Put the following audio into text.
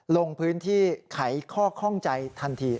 ลงพื้นที่ไขข้อข้องใจทันที